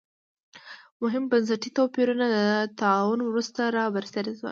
مهم بنسټي توپیرونه د طاعون وروسته را برسېره شول.